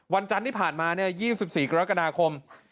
วันจันทร์ที่ผ่านมา๒๔กรกฎาคม